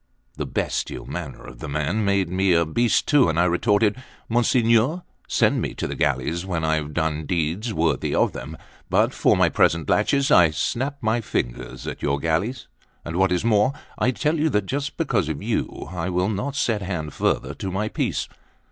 The bestial manners of the man made me a beast too; and I retorted: "Monsignor, send me to the galleys when I've done deeds worthy of them; but for my present laches, I snap my fingers at your galleys: and what is more, I tell you that, just because of you, I will not set hand further to my piece.